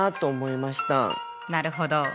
なるほど。